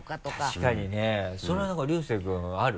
確かにねそれは何か龍聖君ある？